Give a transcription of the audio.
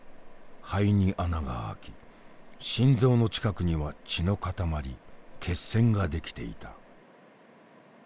肺に穴が開き心臓の近くには血の塊血栓が出来ていた。